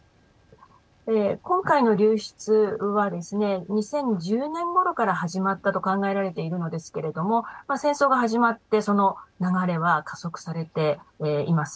今回の流出はですね２０１０年ごろから始まったと考えられているのですけれども戦争が始まってその流れは加速されています。